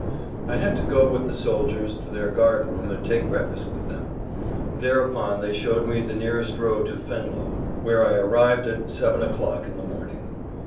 I had to go with the soldiers to their guard room and take breakfast with them. Thereupon they showed me the nearest road to Venlo, where I arrived at seven o'clock in the morning.